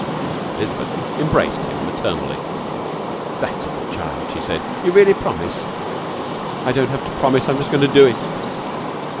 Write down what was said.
Elizabeth embraced him maternally. 'That's a good child!' she said. 'You really promise?' 'I don't have to promise, I'm just going to do it.'